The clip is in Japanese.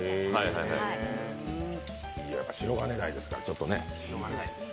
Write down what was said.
白金台ですから、ちょっとね。